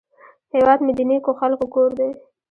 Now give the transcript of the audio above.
هیواد مې د نیکو خلکو کور دی